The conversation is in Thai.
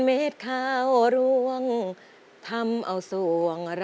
แผนที่๓ที่คุณนุ้ยเลือกออกมานะครับ